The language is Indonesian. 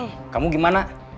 masih di pasar